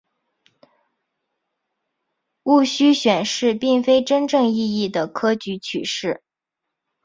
戊戌选试并非真正意义的科举取士。